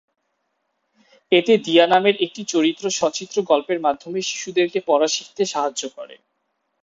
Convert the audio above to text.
এতে দিয়া নামের একটি চরিত্র সচিত্র গল্পের মাধ্যমে শিশুদেরকে পড়া শিখতে সাহায্য করে।